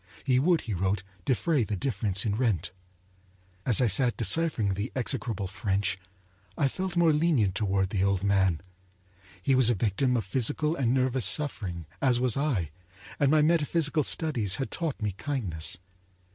He would, he wrote, defray the difference in rent. As I sat deciphering the execrable French, I felt more lenient toward the old man. He was a victim of physical and nervous suffering, as was I; and my metaphysical studies had taught me kindness.